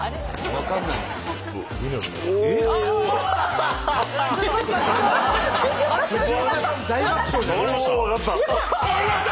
分かりました？